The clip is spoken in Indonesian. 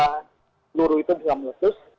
peluru itu bisa meletus